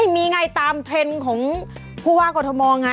มีไงตามเทรนด์ของผู้ว่ากรทมไง